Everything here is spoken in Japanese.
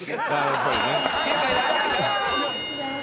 やっぱりね。